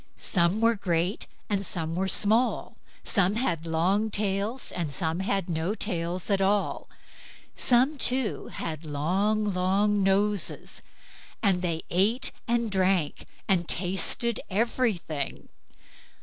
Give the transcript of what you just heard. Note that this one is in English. Some were great, and some were small; some had long tails, and some had no tails at all; some, too, had long, long noses; and they ate and drank, and tasted everything.